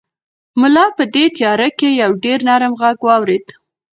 ملا په دې تیاره کې یو ډېر نرم غږ واورېد.